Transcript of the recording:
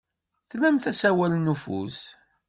Tlamt asawal n ufus.